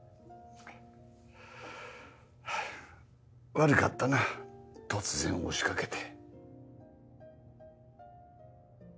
悪かったな突然押しかけて。